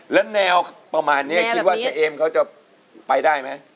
แล้วแนวประมาณนี้คิดว่าเฉเอมเขาจะไปได้ไหม